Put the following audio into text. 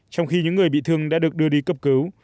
trong khi những người bị thương đã được đưa đi cấp cứu